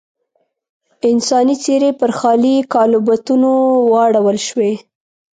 انساني څېرې پر خالي کالبوتونو واړول شوې.